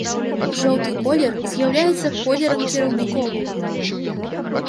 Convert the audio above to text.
Жоўты колер з'яўляецца колерам кіраўнікоў.